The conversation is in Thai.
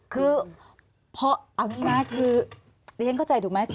คือพ่ออาวินาทคือในเท่าที่เข้าใจถูกไหม